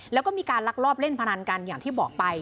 แล้วก็มีการลักลอบเล่นพนันกันอย่างที่บอกไป